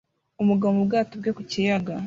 Umugabo mu bwato bwe ku kiyaga